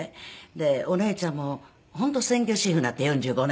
でお姉ちゃんも本当専業主婦なって４５年。